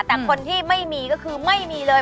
แต่คนที่ไม่มีก็คือไม่มีเลย